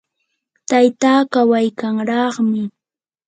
tayta kawaykanraami.